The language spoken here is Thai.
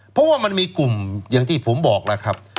เพราะว่ามันมีกลุ่มอย่างที่ผมบอกแล้วครับ